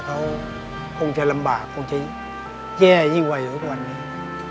เขาคงจะลำบากคงจะแย่ยิ่งไวอยู่ทุกวันนี้